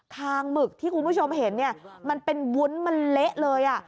หมึกที่คุณผู้ชมเห็นเนี่ยมันเป็นวุ้นมันเละเลย